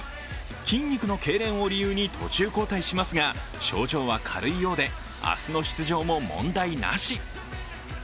筋肉のけいれんを理由に途中交代しますが症状は軽いようで、明日の出場も問題なし。